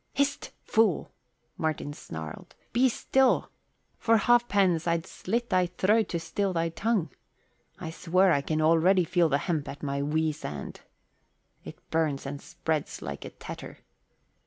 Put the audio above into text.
"Hist, fool," Martin snarled. "Be still! For ha'pence I'd slit thy throat to still thy tongue. I swear I can already feel the hemp at my weasand. It burns and spreads like a tetter."